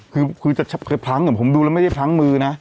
คือจะเคยพลั้งผมดูแล้วไม่ได้พลั้งมือนะ